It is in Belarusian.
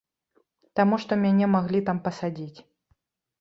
Таму што мяне маглі там пасадзіць.